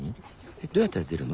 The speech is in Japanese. どうやったら出るの？